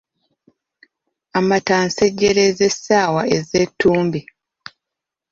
Amatta nsejjere ze ssaawa eze ttumbi.